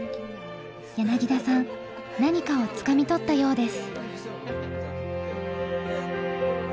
柳田さん何かをつかみ取ったようです。